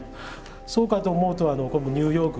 そうかと思うと今度ニューヨーク。